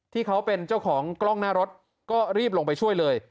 ที่เขาเป็นเจ้าของกล้องหน้ารถก็รีบลงไปช่วยเลย